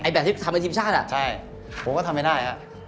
ไอ้แบบที่ทำกับทีมชาติอ่ะใช่ผมก็ทำไม่ได้อ่ะ